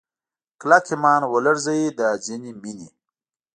کلک ایمان ولړزوي دا ځینې مینې